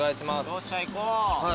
よっしゃいこう。